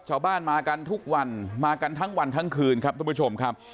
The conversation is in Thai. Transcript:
ชาวบ้านมากันทุกวันมากันทั้งวันทั้งคืนครับทุกผู้ชมครับ